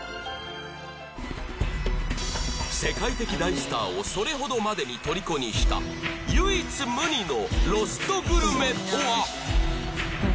世界的大スターをそれほどまでにとりこにした唯一無二のロストグルメとは！？